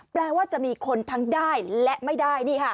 แปลว่าจะมีคนทั้งได้และไม่ได้